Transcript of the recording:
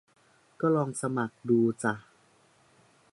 ก็ลองสมัครดูจ่ะ